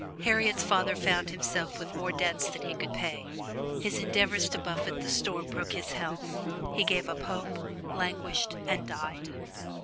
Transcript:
Harriet's father found himself with more debts than he could pay; his endeavors to buffet the storm broke his health he gave up hope, languished and died.